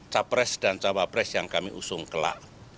capres dan capapres yang kami usung kelah